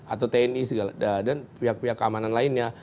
atau tni dan pihak pihak keamanan lainnya